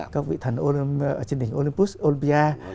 các vị thần trên đỉnh olympus olympia